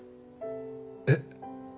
えっ？